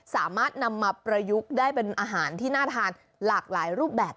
สามารถนำมาประยุกต์ได้เป็นอาหารที่น่าทานหลากหลายรูปแบบ